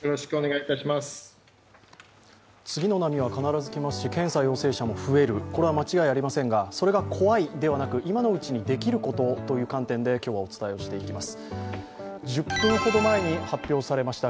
次の波は必ずきますし、検査陽性者が増える、これは間違いありませんが、それが怖いではなく今のうちにできることという観点で今日はお伝えしていきます。